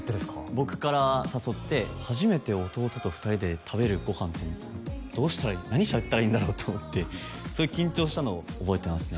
僕から誘って初めて弟と２人で食べるご飯ってどうしたらいい何しゃべったらいいんだろうと思ってすごい緊張したのを覚えてますね